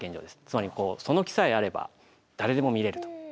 つまりその気さえあれば誰でも見れると。